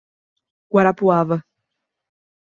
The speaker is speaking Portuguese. Guarapuava